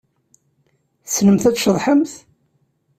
Tessnemt ad tceḍḥemt?